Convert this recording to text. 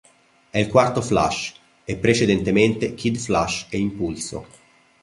È il quarto Flash, e precedentemente Kid Flash e Impulso.